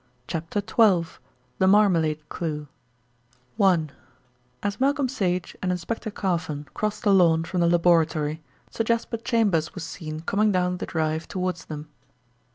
CHAPTER XII THE MARMALADE CLUE I AS Malcolm Sage and Inspector Carfon crossed the lawn from the laboratory, Sir Jasper Chambers was seen coming down the drive towards them.